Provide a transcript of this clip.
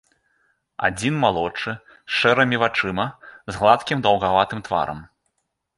Адзін малодшы, з шэрымі вачыма, з гладкім даўгаватым тварам.